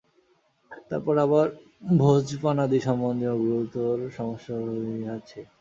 তারপর আবার ভোজনপানাদি-সম্বন্ধীয় গুরুতর সমস্যা রহিয়াছে।